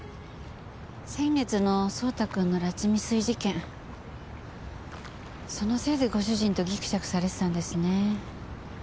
先月の蒼太くんの拉致未遂事件そのせいでご主人とギクシャクされてたんですね。